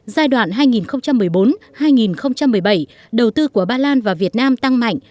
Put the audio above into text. giai đoạn hai nghìn một mươi bốn hai nghìn một mươi bảy đầu tư của ba lan vào việt nam tăng mạnh